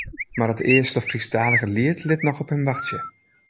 Mar it earste Frysktalige liet lit noch op him wachtsje.